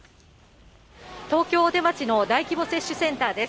東京・大手町の大規模接種センターです。